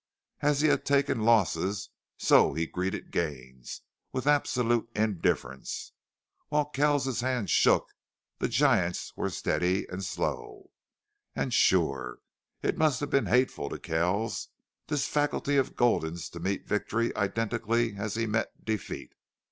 As he had taken losses so he greeted gains with absolute indifference. While Kells's hands shook the giant's were steady and slow and sure. It must have been hateful to Kells this faculty of Gulden's to meet victory identically as he met defeat.